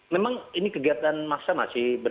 memang ini kegiatan massa masih berjalan